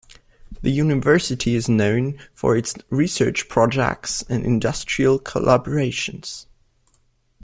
The university is known for its research projects and industrial collaborations.